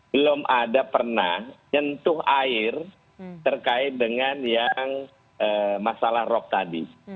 belum ada pernah nyentuh air terkait dengan yang masalah rop tadi